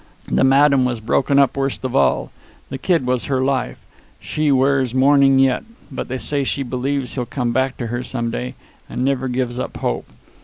The madam was broken up worst of all. The kid was her life. She wears mourning yet. But they say she believes he'll come back to her some day, and never gives up hope.